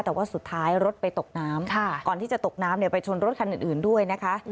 แต่ว่าสุดท้ายรถไปตกน้ำก่อนที่จะตกน้ำไปชนรถคันอื่นด้วยนะคะ